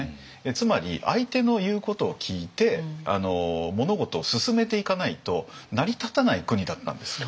つまり相手の言うことを聞いて物事を進めていかないと成り立たない国だったんですよ。